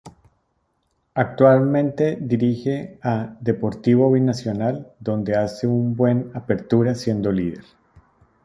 Actualmente dirige a Deportivo Binacional donde hace un buen Apertura siendo lider.